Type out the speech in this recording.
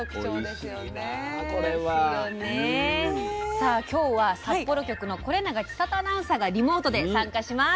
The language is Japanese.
さあ今日は札幌局の是永千恵アナウンサーがリモートで参加します。